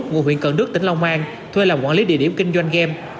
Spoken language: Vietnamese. ngôi huyện cận đức tỉnh long an thuê làm quản lý địa điểm kinh doanh game